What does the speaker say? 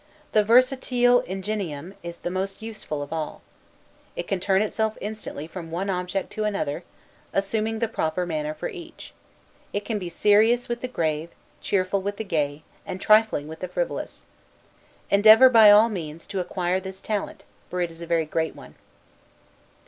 The 'versatile ingenium' is the most useful of all. It can turn itself instantly from one object to another, assuming the proper manner for each. It can be serious with the grave, cheerful with the gay, and trifling with the frivolous. Endeavor by all means, to acquire this talent, for it is a very great one.